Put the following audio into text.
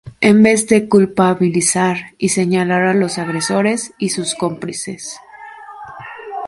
en vez de culpabilizar y señalar a los agresores y sus cómplices